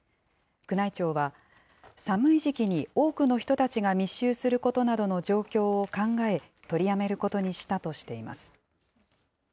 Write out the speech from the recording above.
宮内庁は、寒い時期に多くの人たちが密集することなどの状況を考え、取りやめることにしたとしています。